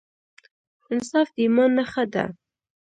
انصاف د ایمان نښه ده.